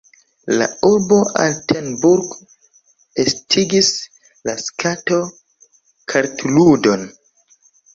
La urbo Altenburg estigis la skato-kartludon.